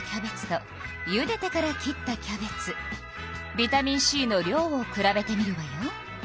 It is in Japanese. ビタミンＣの量をくらべてみるわよ。